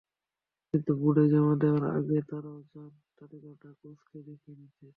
কিন্তু বোর্ডে জমা দেওয়ার আগে তাঁরাও চান তালিকাটা কোচকে দেখিয়ে নিতে।